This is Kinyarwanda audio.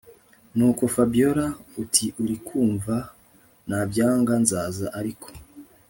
nuko Fabiora atiurikumva nabyanga nzaza ariko